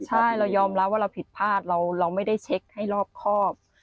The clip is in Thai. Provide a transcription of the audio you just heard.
ใช่เรายอมรับว่าเราผิดพลาดเราไม่ได้เช็คให้รอบครอบ